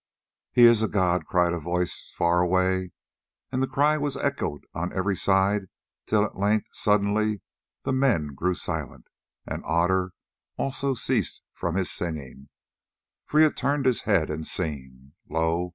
"He is a god," cried a voice far away, and the cry was echoed on every side till at length, suddenly, men grew silent, and Otter also ceased from his singing, for he had turned his head and seen. Lo!